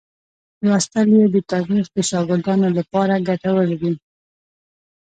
لوستل یې د تاریخ د شاګردانو لپاره ګټور دي.